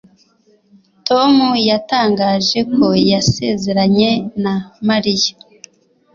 Tom yatangaje ko yasezeranye na Mariya